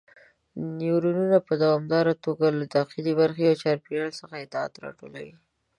نیورونونه په دوامداره توګه له داخلي برخې او چاپیریال څخه اطلاعات راټولوي.